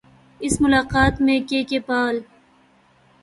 اس ملاقات میں کے کے پال